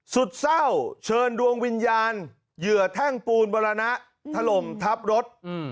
สุดเศร้าเชิญดวงวิญญาณเหยื่อแท่งปูนมรณะถล่มทับรถ